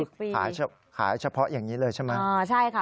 ขายขายเฉพาะอย่างนี้เลยใช่ไหมอ๋อใช่ค่ะ